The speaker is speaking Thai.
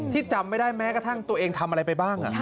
จำไม่ได้แม้กระทั่งตัวเองทำอะไรไปบ้าง